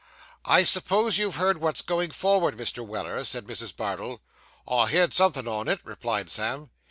'I suppose you've heard what's going forward, Mr. Weller?' said Mrs. Bardell. 'I've heerd somethin' on it,' replied Sam.